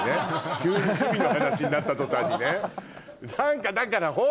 急に趣味の話になった途端にね。